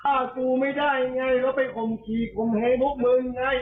ข้ากูไม่ได้ยังไงก็ไปครึ่งที่ผมก็มือนัยต่อ